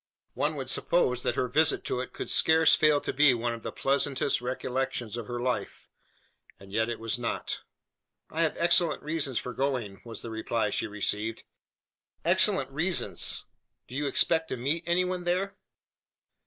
One would suppose that her visit to it could scarce fail to be one of the pleasantest recollections of her life. And yet it was not! "I have excellent reasons for going," was the reply she received. "Excellent reasons! Do you expect to meet any one there?"